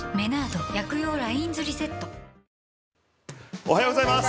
おはようございます。